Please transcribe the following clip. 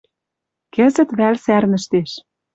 Кӹзӹт вӓл сӓрнӹштеш